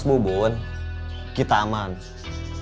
tekan aja tekanan anda